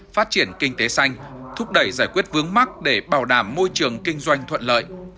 phát triển kinh tế xanh thúc đẩy giải quyết vướng mắc để bảo đảm môi trường kinh doanh thuận lợi